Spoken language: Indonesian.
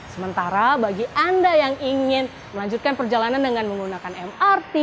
sementara bagi anda yang ingin melanjutkan perjalanan dengan menggunakan mrt